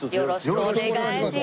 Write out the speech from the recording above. よろしくお願いします。